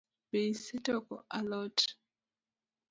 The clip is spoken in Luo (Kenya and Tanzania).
Be isetoko alot?